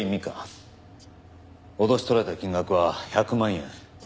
脅し取られた金額は１００万円。